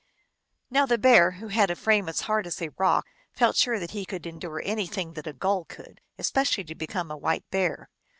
Now the Bear, who had a frame as hard as a rock, felt sure that he could endure anything that a gull could, especially to become a white bear.